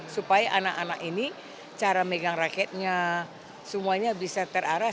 supaya anak anak ini cara megang raketnya semuanya bisa terarah